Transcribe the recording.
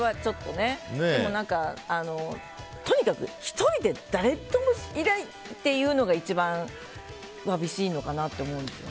でも、とにかく１人で誰ともいないっていうのが一番わびしいのかなと思うんですよね。